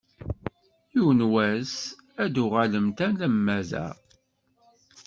Yiwen n wass ad d-tuɣalemt alamma d da.